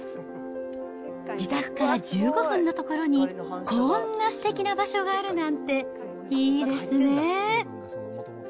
自宅から１５分の所に、こんなすてきな場所があるなんていいですね。